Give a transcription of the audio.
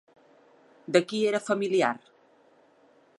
De qui era familiar?